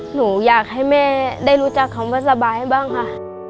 หนูอยากให้แม่ได้รู้จักคำว่าสบายให้บ้างค่ะ